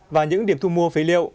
và những điểm thu mua phế liệu